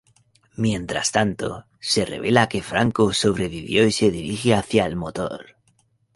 Mientras tanto, se revela que Franco sobrevivió y se dirige hacia el motor.